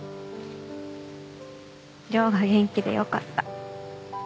亮が元気でよかった。